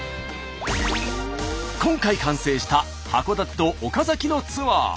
今回完成した函館と岡崎のツアー。